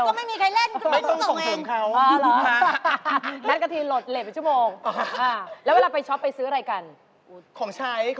ใกล้ตัวที่สุดก็คือนี่รถนี้